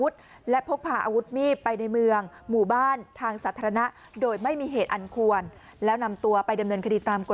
จริง